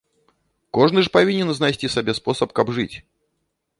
Кожны ж павінен знайсці сабе спосаб каб жыць!